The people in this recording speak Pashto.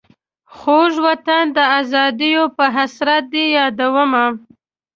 خوږ وطن د آزادیو په حسرت دي یادومه.